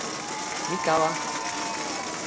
mi tawa！